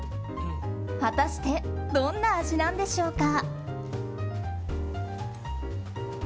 果たしてどんな味なんでしょうか？